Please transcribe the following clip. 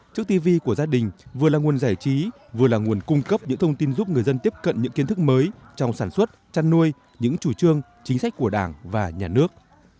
trước tv của gia đình vừa là nguồn giải trí vừa là nguồn cung cấp những thông tin giúp người dân tiếp cận những kiến thức mới trong sản xuất chăn nuôi những chủ trương chính sách của đảng và nhà nước